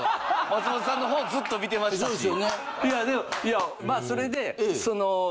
松本さんの方ずっと見てましたし。